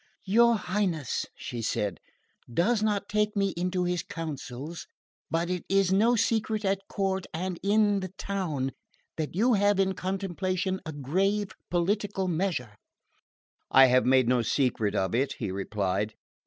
"Your Highness," she said, "does not take me into your counsels; but it is no secret at court and in the town that you have in contemplation a grave political measure." "I have made no secret of it," he replied.